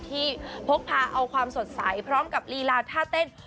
พกพาเอาความสดใสพร้อมกับลีลาท่าเต้น